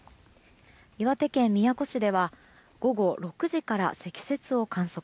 岩手県宮古市では午後６時から積雪を観測。